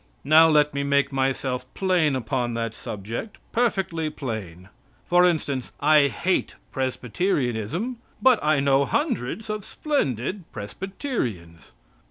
Now let me make myself plain upon that subject, perfectly plain. For instance, I hate Presbyterianism, but I know hundreds of splendid Presbyterians.